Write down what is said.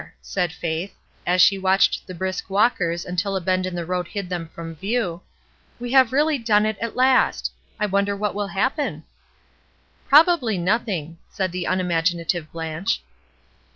'' said Faith, as she watched the brisk walkers until a bend in the road hid them from view, "we have really done it, at last ! I wonder what will happen?" "Probably nothing," said the unimaginative Blanche.